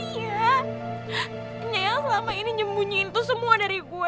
iya nyayang selama ini nyebunyiin tuh semua dari gue